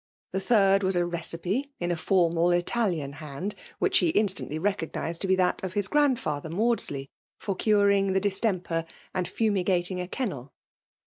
The third was a recipe in a formal Italian hand, which he instantly recognized to be that of his grandfather Maudsley, for curing the distemper, and fumi^ gating a kennel.